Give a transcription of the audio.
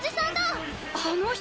あの人